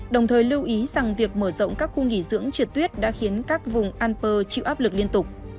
đồng thời lưu ý rằng việc mở rộng các khu nghỉ dưỡng trượt tuyết đã khiến các vùng alper chịu áp lực liên tục